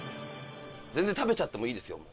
全然食べちゃってもいいですよ。